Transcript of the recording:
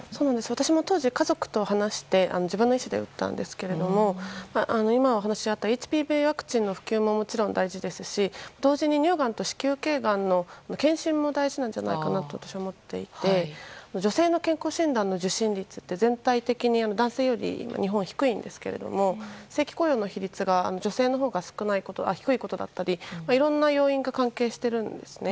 私も当時、家族と話して自分の意志で打ったのですが今、お話があったＨＰＶワクチンの普及ももちろん大事ですし同時に乳がんと子宮頸がんの検診も大事なんじゃないかなと私は思っていて女性の健康診断の受診率って全体的に男性より日本は低いんですけれども正規雇用の比率が女性のほうが低いことだったりいろんな要因が関係しているんですね。